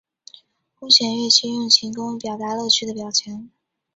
弓弦乐器运用琴弓以表达乐曲的表情。